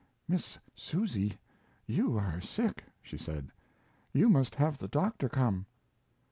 "Miss Susy; you are sick," she said. "You must have the doctor come."